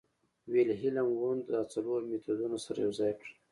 ویلهیلم وونت دا څلور مېتودونه سره یوځای کړل